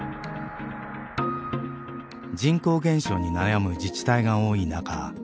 人口減少に悩む自治体が多い中